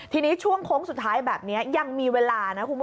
ทีนี้ช่วงโค้งสุดท้ายแบบนี้ยังมีเวลานะคุณผู้ชม